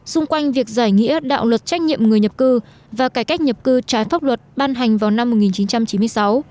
xung quanh việc giải nghĩa đạo luật trách nhiệm người nhập cư và cải cách nhập cư trái pháp luật ban hành vào năm một nghìn chín trăm chín mươi sáu